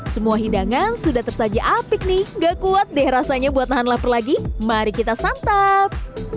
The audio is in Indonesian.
semua hidangan sudah tersaji apik nih gak kuat deh rasanya buat lahan lapar lagi mari kita santap